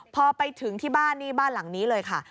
พอไปถึงที่บ้านนี่บ้านหลังนี้เลยค่ะ